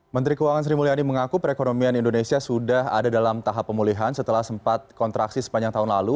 menteri keuangan sri mulyani mengaku perekonomian indonesia sudah ada dalam tahap pemulihan setelah sempat kontraksi sepanjang tahun lalu